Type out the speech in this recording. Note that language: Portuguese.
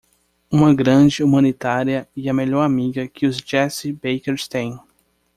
Uma grande humanitária e a melhor amiga que os Jessie Bakers têm.